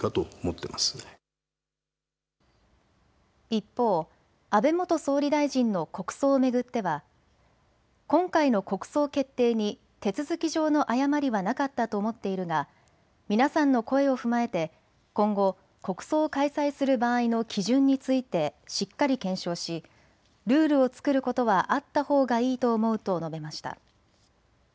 一方、安倍元総理大臣の国葬を巡っては今回の国葬決定に手続き上の誤りはなかったと思っているが皆さんの声を踏まえて今後、国葬を開催する場合の基準についてしっかり検証しルールを作ることはあったほうがいいと思うと述べました。